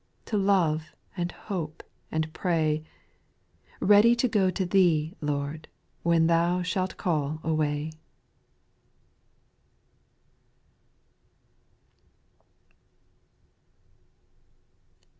To love, and hope, and pray ; Ready to go to Thee, Lord, When Thou shalt call away.